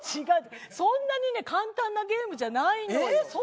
違うそんなにね簡単なゲームじゃないのよ。